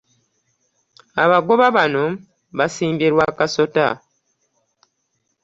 Abagoba bano basimbye lwa kasota.